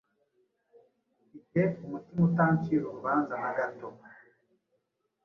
mfite umutima utancira urubanza nagato